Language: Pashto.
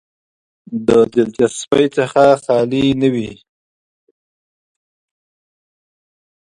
دلچسپۍ څخه خالي نه وي.